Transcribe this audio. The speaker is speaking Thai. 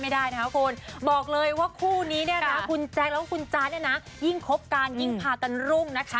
ไม่ได้บอกเลยว่าคู่นี้คุณแจ๊คและคุณจ๊านยิ่งครบการยิ่งผ่าตันรุ่งนะคะ